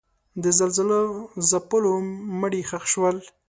د زلزله ځپلو مړي ښخ شول.